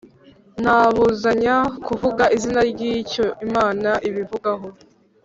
Ntabuzanya kuvuga izina ry i icyo imana ibivugaho